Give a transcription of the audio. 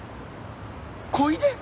小出？